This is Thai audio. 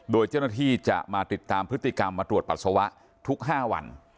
โดยเจ้าหน้าที่จะมาติดตามพฤติกรรมมาตรวจปัสสาวะทุก๕วัน